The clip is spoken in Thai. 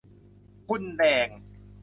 คุณแดง